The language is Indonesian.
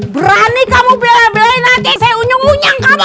berani kamu beli beli nanti saya unyung unyang kamu